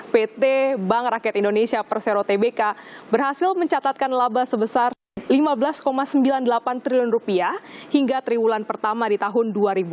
pt bank rakyat indonesia persero tbk berhasil mencatatkan laba sebesar rp lima belas sembilan puluh delapan triliun hingga triwulan pertama di tahun dua ribu delapan belas